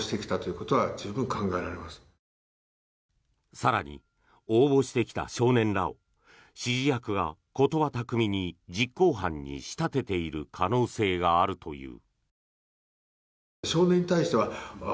更に、応募してきた少年らを指示役が言葉巧みに実行犯に仕立てている可能性があるという。